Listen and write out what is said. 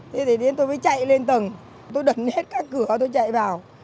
thế thì đến tôi mới chạy lên tầng tôi đặt hết các cửa tôi chạy vào